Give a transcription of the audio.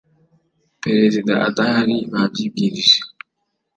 Perezida adahari babyibwirije